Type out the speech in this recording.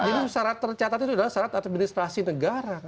jadi syarat tercatat itu adalah syarat administrasi negara